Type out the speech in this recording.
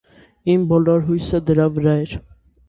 իմ բոլոր հույսն դրա վերա էր.